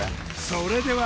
それでは